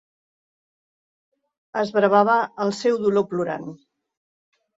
Esbravava el seu dolor plorant.